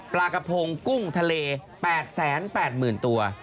ปลากระพงกุ้งทะเล๘๘๐๐๐ตัว